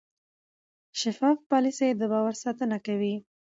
شفاف پالیسي د باور ساتنه کوي.